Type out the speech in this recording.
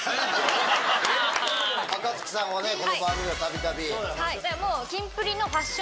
若槻さんもこの番組では度々。